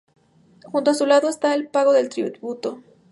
Justo a su lado está "El pago del tributo".